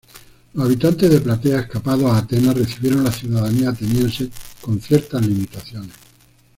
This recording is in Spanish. Los habitantes de Platea escapados a Atenas recibieron la ciudadanía ateniense con ciertas limitaciones.